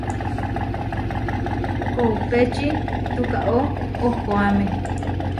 Kopéči tukaó ohoáme.